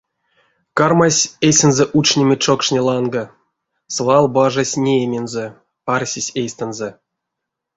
Кармась эйсэнзэ учнеме чокшне ланга, свал бажась неемензэ, арсесь эйстэнзэ.